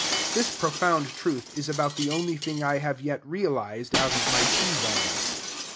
This profound truth is about the only thing I have yet realized out of my pea vines.